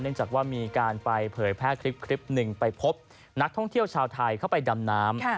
จากว่ามีการไปเผยแพร่คลิปหนึ่งไปพบนักท่องเที่ยวชาวไทยเข้าไปดำน้ำ